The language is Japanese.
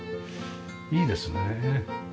いいですね。